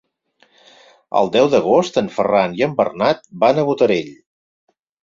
El deu d'agost en Ferran i en Bernat van a Botarell.